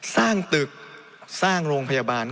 สร้างตึกสร้างโรงพยาบาล